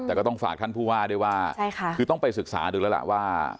แต่ก็ต้องฝากท่านผู้ว่าด้วยว่าคือต้องไปศึกษาดูแล้วล่ะว่า